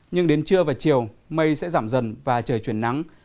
nhưng đến trưa và chiều mây sẽ giảm dần và trời chuyển nắng